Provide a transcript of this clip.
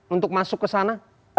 untuk masuk ke sana